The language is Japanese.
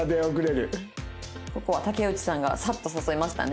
ここは竹内さんがサッと誘いましたね。